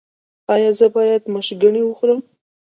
ایا زه باید مشګڼې وخورم؟